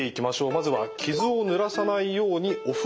まずは「傷をぬらさないようにお風呂に入る」。